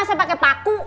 saya pakai paku